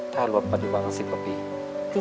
ถ้ารวบปัจจุบันตรีประมาณ๑๐กว่าปี